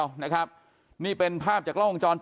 อยู่ดีมาตายแบบเปลือยคาห้องน้ำได้ยังไง